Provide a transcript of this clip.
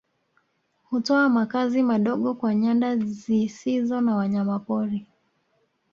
Hutoa makazi madogo kwa nyanda zisizo na wanyamapori